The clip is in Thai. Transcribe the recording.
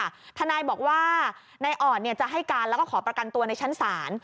ทนายบอกว่านายอ่อนจะให้การแล้วก็ขอประกันตัวในชั้นศาล